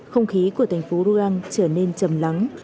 không khí của thành phố roang trở nên chầm lắng